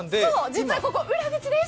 実は、ここ裏口です。